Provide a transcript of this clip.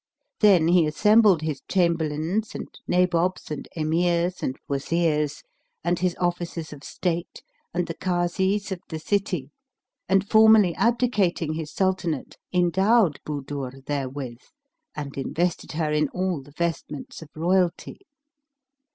Then he assembled his Chamberlains and Nabobs, and Emirs and Wazirs and his officers of state and the Kazis of the city; and, formally abdicating his Sultanate, endowed Budur therewith and invested her in all the vestments of royalty.